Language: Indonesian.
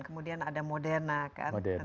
kemudian ada modena kan